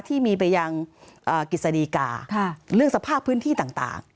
ที่มีไปยังกฤษฎีกาเรื่องสภาพพื้นที่ต่าง